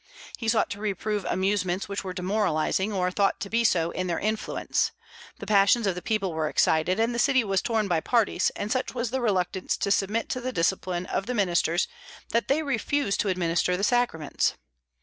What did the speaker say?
He sought to reprove amusements which were demoralizing, or thought to be so in their influence. The passions of the people were excited, and the city was torn by parties; and such was the reluctance to submit to the discipline of the ministers that they refused to administer the sacraments.